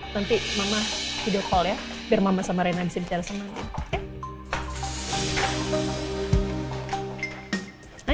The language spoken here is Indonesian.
nanti mama video call ya biar mama sama rena bisa bicara samanya